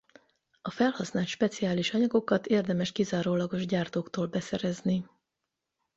A felhasznált speciális anyagokat érdemes kizárólagos gyártóktól beszerezni.